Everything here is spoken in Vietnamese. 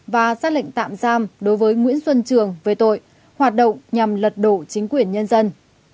và xác lệnh tạm giam đối với nguyễn xuân trường về tội hoạt động nhằm lật đổ chính quyền nhân dân